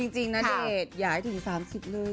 จริงณเดชน์ย้ายถึง๓๐ปีเลย